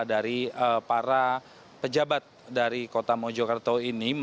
dari para pejabat dari kota mojokerto ini